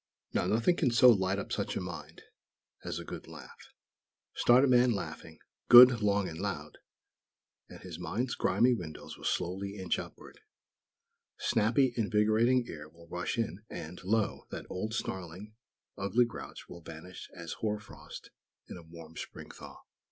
Now nothing can so light up such a mind as a good laugh. Start a man laughing, good, long and loud, and his mind's grimy windows will slowly inch upward; snappy, invigorating air will rush in, and lo! that old snarling, ugly grouch will vanish as hoar frost in a warm Spring thaw!